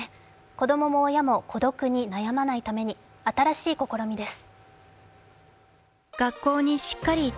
子供も親も孤独に悩まないために新しい試みです。